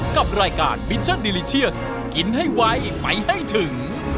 กับรายการมิชชั่นดีลิเชียสกินให้ไวไปให้ถึง